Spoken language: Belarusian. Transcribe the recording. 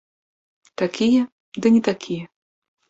Такія, ды не такія.